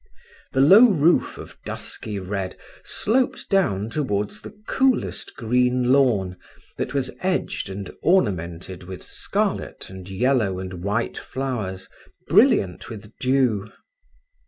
The low roof of dusky red sloped down towards the coolest green lawn, that was edged and ornamented with scarlet, and yellow, and white flowers brilliant with dew.